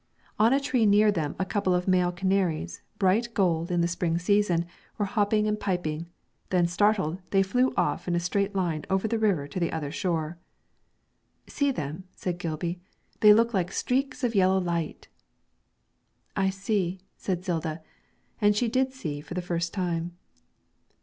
On a tree near them a couple of male canaries, bright gold in the spring season, were hopping and piping; then startled, they flew off in a straight line over the river to the other shore. 'See them,' said Gilby; 'they look like streaks of yellow light!' 'I see,' said Zilda, and she did see for the first time.